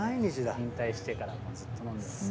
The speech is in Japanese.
引退してからもうずっと飲んでます。